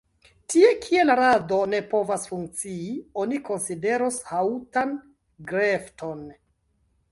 Tie, kie la rado ne povas funkcii, oni konsideros haŭtan grefton.